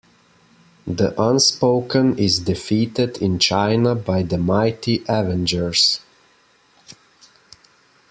The Unspoken is defeated in China by the Mighty Avengers.